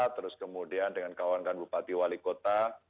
terus kemudian dengan kawan kawan bupati wali kota